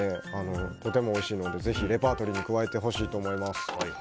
とてもおいしいのでぜひレパートリーに加えてほしいと思います。